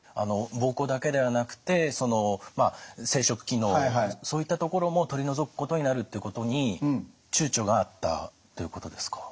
膀胱だけではなくて生殖機能そういったところも取り除くことになるってことにちゅうちょがあったということですか。